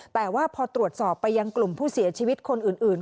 แต่ว่าพอตรวจสอบไปยังกลุ่มผู้เสียชีวิตคนอื่น